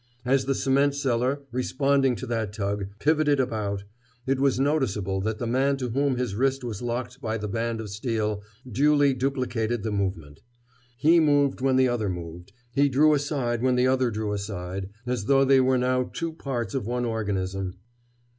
As the cement seller, responding to that tug, pivoted about, it was noticeable that the man to whom his wrist was locked by the band of steel duly duplicated the movement. He moved when the other moved; he drew aside when the other drew aside, as though they were now two parts of one organism.